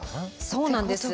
そうなんです。